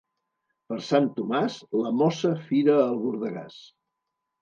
Per Sant Tomàs, la mossa fira el bordegàs.